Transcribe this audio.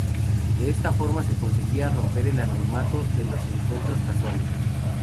De esta forma se conseguía romper el anonimato de los encuentros casuales.